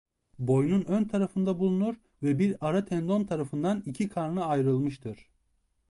Boynun ön tarafında bulunur ve bir ara tendon tarafından iki karna ayrılmıştır.